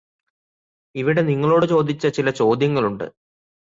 ഇവിടെ നിങ്ങളോട് ചോദിച്ച ചില ചോദ്യങ്ങളുണ്ട്.